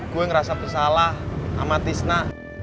gue ngerasa bersalah sama tisna